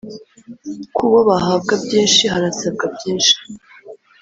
kubo bahabwa byinshi, harasabwa byinshi.